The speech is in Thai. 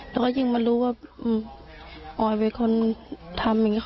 แล้วก็ยิ่งมารู้ว่าออยเป็นคนทำอย่างนี้